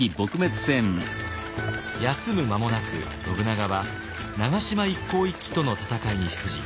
休む間もなく信長は長島一向一揆との戦いに出陣。